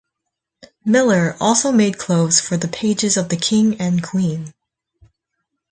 Miller also made clothes for the pages of the King and Queen.